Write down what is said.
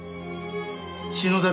篠崎